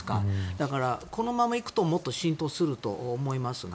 だからこのままいくともっと浸透すると思いますが。